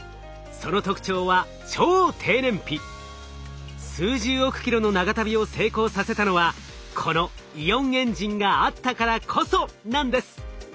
その特徴は数十億キロの長旅を成功させたのはこのイオンエンジンがあったからこそなんです。